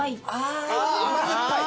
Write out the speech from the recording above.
ああ甘酸っぱい。